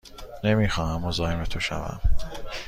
نمی خواهم مزاحم تو شوم.